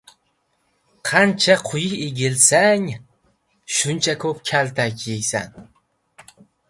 • Qancha quyi egilsang, shuncha ko‘p kaltak yeysan.